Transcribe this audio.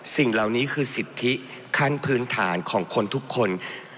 สิ่งเหล่านี้คือสิทธิขั้นพื้นฐานของคนทุกคน